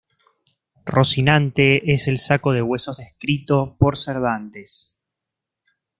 Rocinante es el saco de huesos descrito por Cervantes.